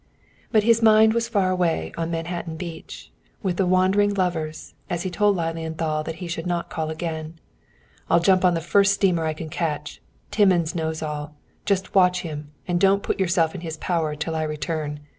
But his mind was far away on Manhattan Beach, with the wandering lovers, as he told Lilienthal that he should not call again. "I'll jump on the first steamer I can catch! Timmins knows all. Just watch him, and don't put yourself in his power, till I return.